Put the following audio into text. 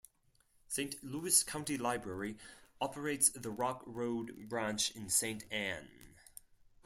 Saint Louis County Library operates the Rock Road Branch in Saint Ann.